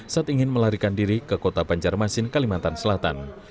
saat ingin melarikan diri ke kota banjarmasin kalimantan selatan